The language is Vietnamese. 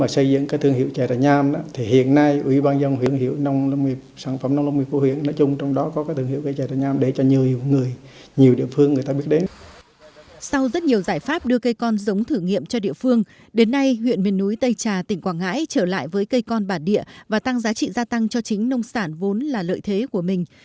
sau rất nhiều giải pháp đưa cây con giống thử nghiệm cho địa phương đến nay huyện miền núi tây trà tỉnh quảng ngãi trở lại với cây con bản địa và tăng giá trị gia tăng cho chính nông sản vốn là lợi thế của mình